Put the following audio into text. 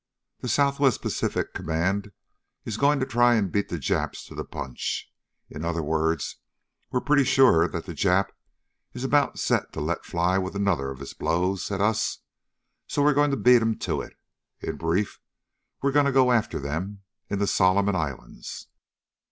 "The Southwest Pacific Command is going to try and beat the Japs to the punch. In other words, we're pretty sure that the Jap is about set to let fly with another of his blows at us, so we're going to beat him to it. In brief, we're going to go after them in the Solomon Islands."